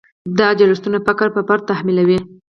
دا جوړښتونه فقر پر فرد تحمیلوي.